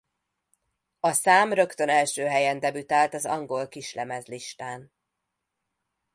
A szám rögtön első helyen debütált az Angol Kislemezlistán.